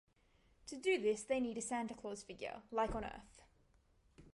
To do this, they need a Santa Claus figure, like on Earth.